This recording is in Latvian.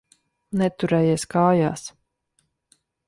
Neturējies kājās.